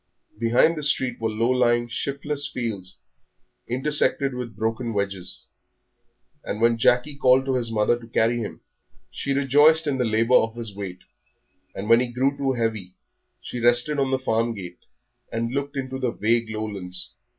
Behind the street were low lying, shiftless fields, intersected with broken hedges. And when Jackie called to his mother to carry him, she rejoiced in the labour of his weight; and when he grew too heavy, she rested on the farm gate, and looked into the vague lowlands.